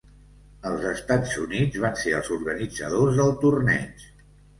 Els Estats Units van ser els organitzadors del torneig.